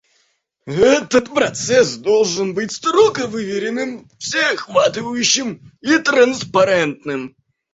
Этот процесс должен быть строго выверенным, всеохватывающим и транспарентным.